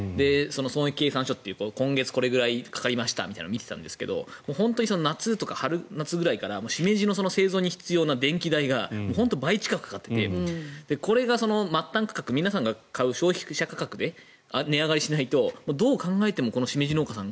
損益計算書という今月これぐらいかかりましたというのを見ていたんですが春、夏ぐらいからシメジの製造に必要な電気代が倍近くかかっていてこれが末端価格皆さんが買う消費者価格で値上がりしないとどう考えてもシメジ農家さん